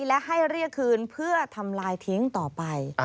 และให้เรียกคืนเพื่อทำลายทิ้งต่อไป